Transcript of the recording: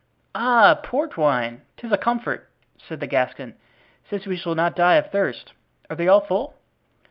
"Ah! port wine! 'tis a comfort," said the Gascon, "since we shall not die of thirst. Are they all full?"